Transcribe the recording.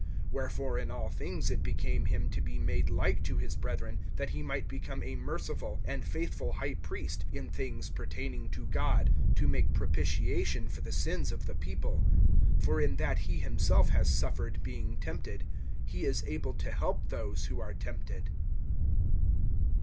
(17)Wherefore, in all things it became him to be made like to his brethren, that he might become a merciful and faithful high priest in things pertaining to God, to make propitiation for the sins of the people. (18)For in that he himself has suffered being tempted, he is able to help those who are tempted.